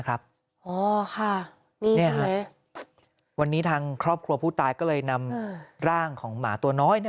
อ๋อค่ะนี่ใช่ไหมวันนี้ทางครอบครัวผู้ตายก็เลยนำร่างของหมาตัวน้อยน่ะ